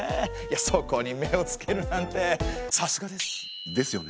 そこに目をつけるなんてさすがです！ですよね。